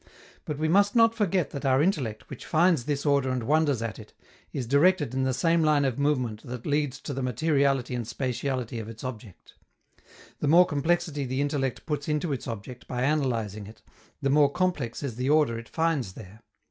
But we must not forget that our intellect, which finds this order and wonders at it, is directed in the same line of movement that leads to the materiality and spatiality of its object. The more complexity the intellect puts into its object by analyzing it, the more complex is the order it finds there.